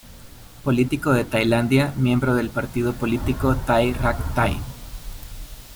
Político de Tailandia, miembro del partido político Thai Rak Thai.